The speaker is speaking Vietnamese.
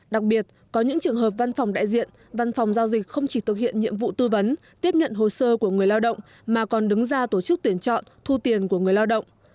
đặc biệt có những trường hợp văn phòng đại diện văn phòng giao dịch không chỉ thực hiện nhiệm vụ tư vấn tiếp nhận hồ sơ của người lao động mà còn đứng ra tổ chức tuyển chọn thu tiền của người lao động